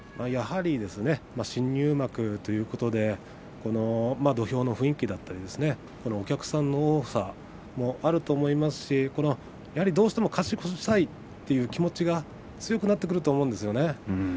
やはり新入幕ということで土俵の雰囲気だったりお客さんの多さもあると思いますしどうしても勝ち越したいという気持ちが強くなってくると思うんですよね。